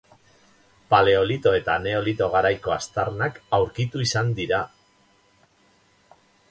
Paleolito eta Neolito garaiko aztarnak aurkitu izan dira.